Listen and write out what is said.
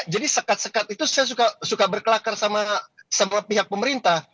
jadi sekat sekat itu saya suka berkelakar sama pihak pemerintah